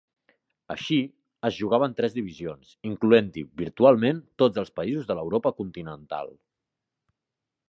Així, es jugava en tres divisions, incloent-hi virtualment tots els països de l'Europa Continental.